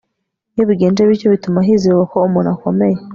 iyo bigenze bityo bituma hizerwako umuntu akomeye